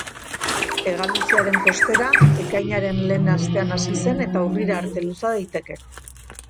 Hegaluzearen kostera ekainaren lehen astean hasi zen eta urrira arte luza daiteke.